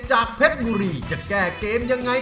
เพชรบุรีจะแก้เกมยังไง